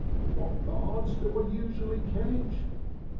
'What bards du I usually ketch?